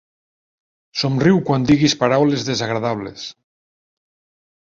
Somriu quan diguis paraules desagradables.